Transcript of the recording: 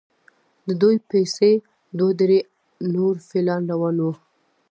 د دوی پسې دوه درې نور فیلان روان وو.